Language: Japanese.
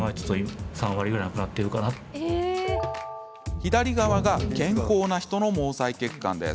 左側が健康な人の毛細血管です。